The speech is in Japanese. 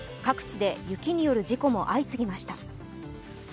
各地で雪による事故も相次ぎました。